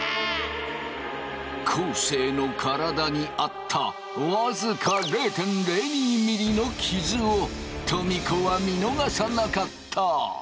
昴生の体にあった僅か０．０２ｍｍのキズをトミ子は見逃さなかった！